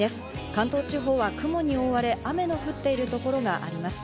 関東地方は雲に覆われ、雨の降っているところがあります。